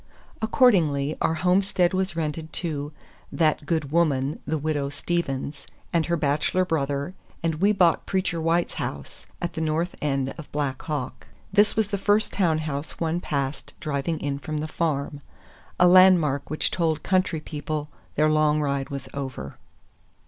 Accordingly our homestead was rented to "that good woman, the Widow Steavens," and her bachelor brother, and we bought Preacher White's house, at the north end of Black Hawk. This was the first town house one passed driving in from the farm, a landmark which told country people their long ride was over.